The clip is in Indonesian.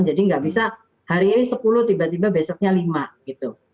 nggak bisa hari ini sepuluh tiba tiba besoknya lima gitu